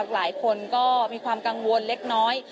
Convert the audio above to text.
หลายคนก็มีความกังวลเล็กน้อย